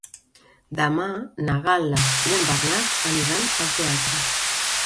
Demà na Gal·la i en Bernat aniran al teatre.